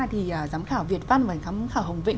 thì giám khảo việt văn và giám khảo hồng vĩnh